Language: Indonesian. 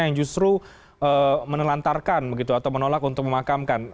yang justru menelantarkan begitu atau menolak untuk memakamkan